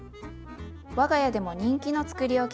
我が家でも人気のつくりおきです。